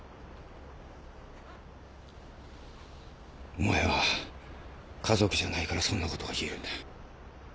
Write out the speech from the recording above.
お前は家族じゃないからそんなことが言えるんだよ。